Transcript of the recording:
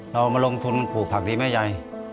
เรามาลงทุนปลูกผักดีแม่ยาย